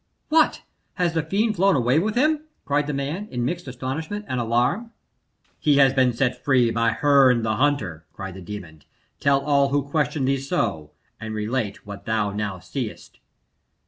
"What! has the fiend flown away with him?" cried the man, in mixed astonishment and alarm. "He has been set free by Herne the Hunter!" cried the demon. "Tell all who question thee so, and relate what thou now seest."